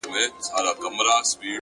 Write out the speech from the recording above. د ميني ننداره ده. د مذهب خبره نه ده.